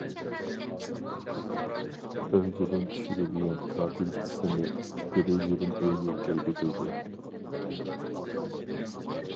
ئۆگزىدىن چۈشۈرۈلگەن كابېل سىمى دېرىزىدىن ئۆيگە كىرگۈزۈلدى.